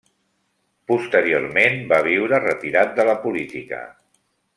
Posteriorment, va viure retirat de la política.